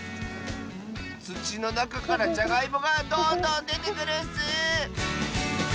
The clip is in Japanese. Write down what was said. つちのなかからじゃがいもがどんどんでてくるッス！